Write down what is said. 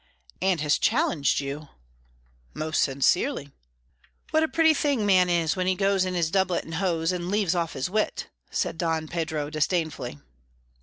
"And has challenged you." "Most sincerely." "What a pretty thing man is when he goes in his doublet and hose, and leaves off his wit!" said Don Pedro disdainfully.